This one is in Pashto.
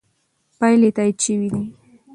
پایلې تایید شوې دي.